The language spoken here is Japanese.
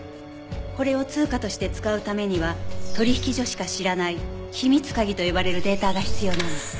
これを通貨として使うためには取引所しか知らない秘密鍵と呼ばれるデータが必要なの。